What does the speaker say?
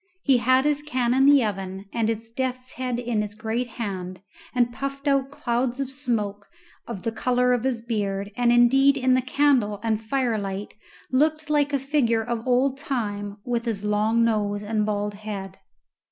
He had his can in the oven and his death's head in his great hand, and puffed out clouds of smoke of the colour of his beard, and indeed in the candle and fire light looked like a figure of old Time with his long nose and bald head.